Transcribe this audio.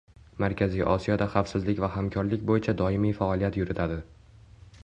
Markaziy Osiyoda xavfsizlik va hamkorlik boʻyicha doimiy faoliyat yuritadi